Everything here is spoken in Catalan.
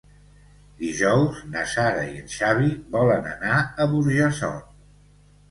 Dijous na Sara i en Xavi volen anar a Burjassot.